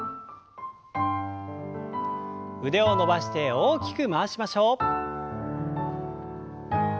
腕を伸ばして大きく回しましょう。